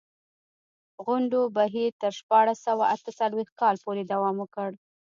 غونډو بهیر تر شپاړس سوه اته څلوېښت کال پورې دوام وکړ.